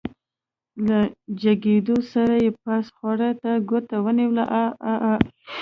له جګېدو سره يې پاس خوړ ته ګوته ونيوله عاعاعا.